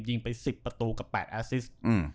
ยิงไป๑๐ประตูกับ๘อาซิส